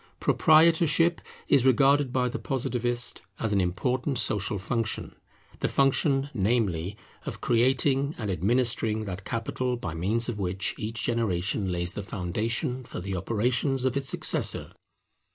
Proprietorship is regarded by the Positivist as an important social function; the function, namely, of creating and administering that capital by means of which each generation lays the foundation for the operations of its successor.